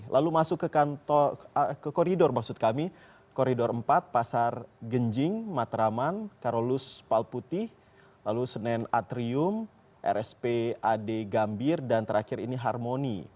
lalu masuk ke koridor empat pasar genjing matraman karolus palputih senen atrium rsp ad gambir dan terakhir ini harmoni